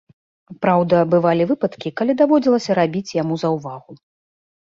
Праўда, бывалі выпадкі, калі даводзілася рабіць яму заўвагу.